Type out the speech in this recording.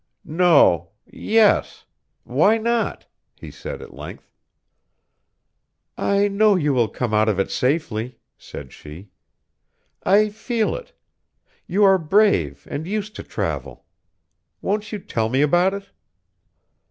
"No yes why not?" he said, at length. "I know you will come out of it safely," said she; "I feel it. You are brave and used to travel. Won't you tell me about it?"